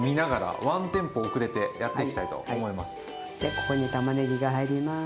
ここにたまねぎが入ります。